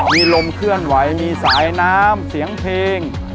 มีลมเคลื่อนไหวมีสายน้ำเสียงเพลง